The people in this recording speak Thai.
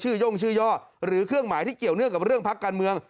ย่งชื่อย่อหรือเครื่องหมายที่เกี่ยวเนื่องกับเรื่องพักการเมือง